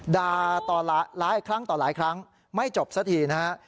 ด่าต่อหลายครั้งไม่จบซะทีนะฮะ